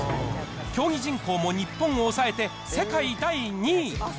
競技人口も日本を抑えて、世界第２位。